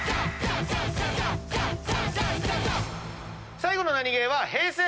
最後のナニゲーはＨｅｙ！